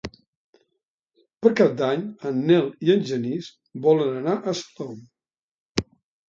Per Cap d'Any en Nel i en Genís volen anar a Salou.